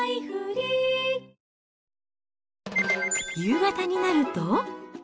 夕方になると。